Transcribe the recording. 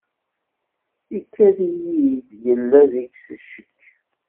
Ikad-iyi-d yella deg-s ccek.